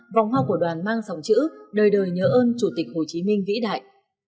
vòng hoa của đoàn mang dòng chữ đời đời nhớ ơn chủ tịch hồ chí minh vĩ đại